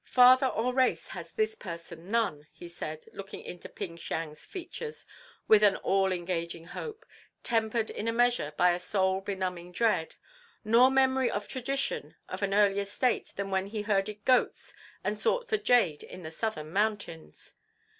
"Father or race has this person none," he said, looking into Ping Siang's features with an all engaging hope, tempered in a measure by a soul benumbing dread; "nor memory or tradition of an earlier state than when he herded goats and sought for jade in the southern mountains."